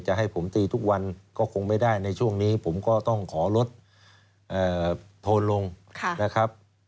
ให้ผมตีทุกวันก็คงไม่ได้ในช่วงนี้ผมก็ต้องขอลดโทนลงนะครับ